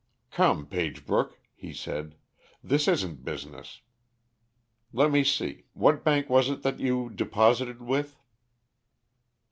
"Come, Pagebrook," he said, "this isn't business. Let me see; what bank was it that you deposited with?"